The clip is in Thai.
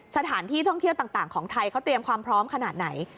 สถานที่ท่องเที่ยวต่างของไทยเขาเตรียมความพร้อมขนาดไหน